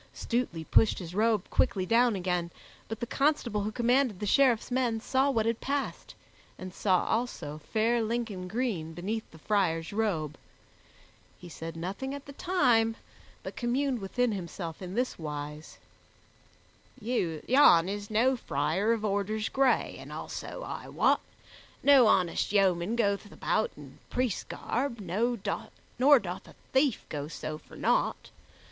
Stutely pushed his robe quickly down again, but the constable who commanded the Sheriffs men saw what had passed, and saw also fair Lincoln green beneath the friar's robe. He said nothing at the time, but communed within himself in this wise: "Yon is no friar of orders gray, and also, I wot, no honest yeoman goeth about in priest's garb, nor doth a thief go so for nought.